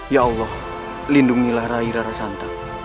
ya allah lindungilah rahira rasanto